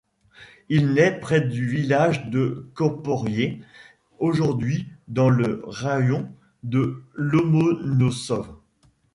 Il naît près du village de Koporié, aujourd'hui dans le raïon de Lomonossov.